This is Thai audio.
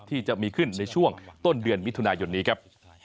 ที่จะมีขึ้นในช่วงต้นเดือนมิถุนายนนี้ครับ